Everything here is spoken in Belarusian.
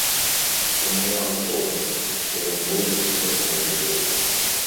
Таму я гатовы, што ён пойдзе супраць маёй волі.